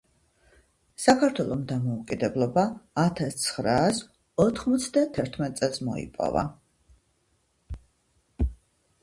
საქართველომ დამოუკიდებლობა ათასცხრაასოთხმოცდათერთმეტ წელს მოიპოვა.